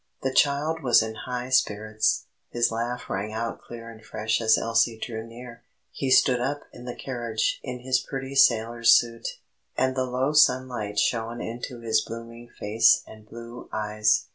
The child was in high spirits; his laugh rang out clear and fresh as Elsie drew near. He stood up in the carriage in his pretty sailor's suit, and the low sunlight shone into his blooming face and blue eyes.